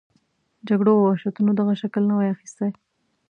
جګړو او وحشتونو دغه شکل نه وای اخیستی.